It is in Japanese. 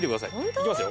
いきますよ。